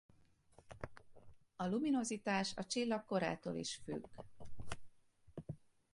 A luminozitás a csillag korától is függ.